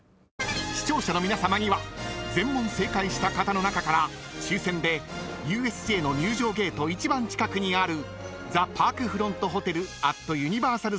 ［視聴者の皆さまには全問正解した方の中から抽選でＵＳＪの入場ゲート一番近くにある］